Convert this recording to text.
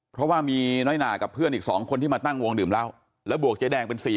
เพราะว่ามีน้อยหนากับเพื่อนอีก๒คนที่มาตั้งวงดื่มเหล้าแล้วบวกเจ๊แดงเป็นสี่